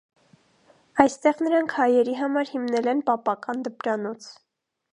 Այստեղ նրանք հայերի համար հիմնել են պապական դպրանոց։